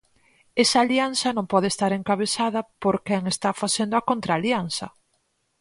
Esa alianza non pode estar encabezada por quen está facendo a contraalianza.